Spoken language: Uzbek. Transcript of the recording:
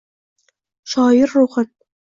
Shoir ruhin